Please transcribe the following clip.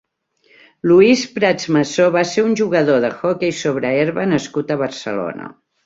Luis Pratsmasó va ser un jugador d'hoquei sobre herba nascut a Barcelona.